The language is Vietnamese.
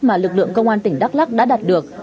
mà lực lượng công an tỉnh đắk lắc đã đạt được